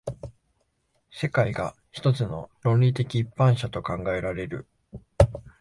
世界が一つの論理的一般者と考えられる。